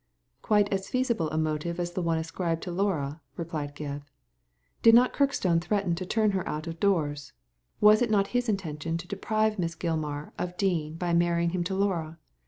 " "Quite as feasible a motive as the one ascribed to Laura," replied Gebb. "Did not Kirkstone threaten to turn her out of doors? Was is not his intention to deprive Miss Gilmar of Dean by marrying him to Laura?